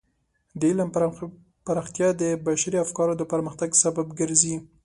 د علم پراختیا د بشري افکارو د پرمختګ سبب ګرځي.